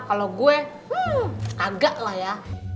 kalo gue hmm agak lah ya